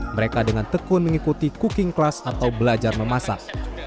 mereka dengan tekun mengikuti cooking class atau belajar memasak